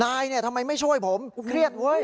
นายเนี่ยทำไมไม่ช่วยผมเครียดเว้ย